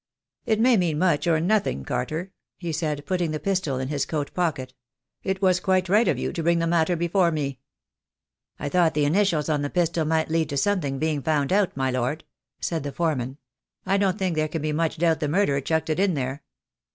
"It may mean much, or nothing, Carter,'' he said, putting the pistol in his coat pocket. "It was quite right of you to bring the matter before me." "I thought the initials on the pistol might lead to something being found out, my lord," said the foreman. "I don't think there can be much doubt the murderer chucked it in there."